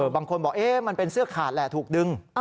บางคนบอกมันเป็นเสื้อขาดแหละถูกดึง